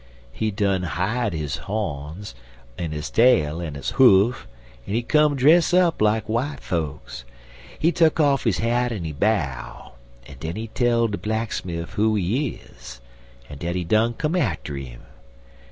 He done hide his hawns, en his tail, en his hoof, en he come dress up like w'ite fokes. He tuck off his hat en he bow, en den he tell de blacksmif who he is, en dat he done come atter 'im.